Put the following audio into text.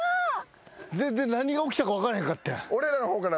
全然何が起きたか分からへんかった。